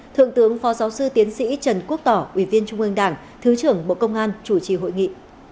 thượng tướng phó giáo sư tiến sĩ trần quốc tỏ ủy viên trung ương đảng thứ trưởng bộ công an chủ trì hội nghị